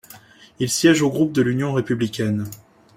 Il siège au groupe de l'Union républicaine.